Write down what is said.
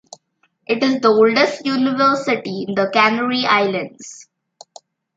It is the oldest university in the Canary Islands.